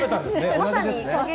まさに。